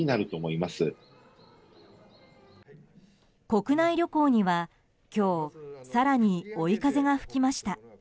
国内旅行には今日更に追い風が吹きました。